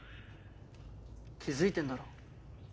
気づいてるんだろ？